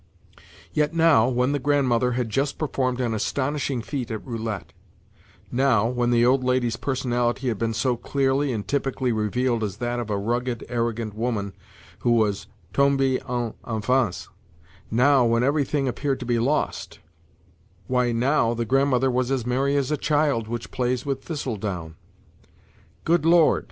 Yet now, when the Grandmother had just performed an astonishing feat at roulette; now, when the old lady's personality had been so clearly and typically revealed as that of a rugged, arrogant woman who was "tombée en enfance"; now, when everything appeared to be lost,—why, now the Grandmother was as merry as a child which plays with thistle down. "Good Lord!"